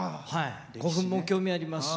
古墳も興味ありますし